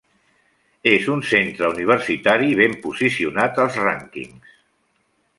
És un centre universitari ben posicionat als rànquings.